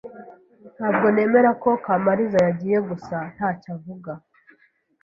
Ntabwo nemera ko Kamaliza yagiye gusa ntacyo avuga.